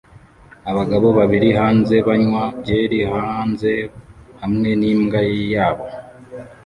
Abagabo babiri hanze banywa byeri hanze hamwe n'imbwa yabo